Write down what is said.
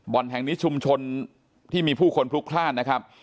แห่งนี้ชุมชนที่มีผู้คนพลุกพลาดนะครับ